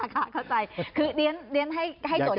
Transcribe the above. ค่ะค่ะจริงให้โจทย์แค่๓